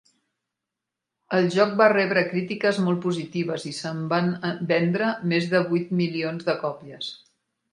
El joc va rebre crítiques molt positives i se'n van vendre més de vuit milions de còpies.